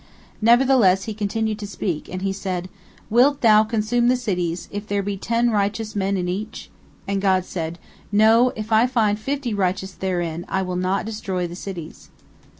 Nevertheless he continued to speak, and he said: "Wilt Thou consume the cities, if there be ten righteous men in each?" And God said, "No, if I find fifty righteous therein, I will not destroy the cities."